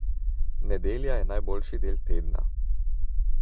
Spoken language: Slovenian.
Nedelja je najboljši del tedna.